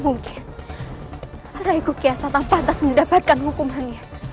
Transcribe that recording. mungkin raiku kiyasan pantas mendapatkan hukumannya